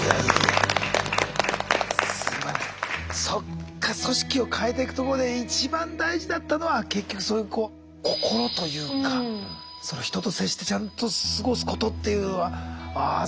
そっか組織を変えてくところで一番大事だったのは結局そういう心というかその人と接してちゃんと過ごすことっていうのはああ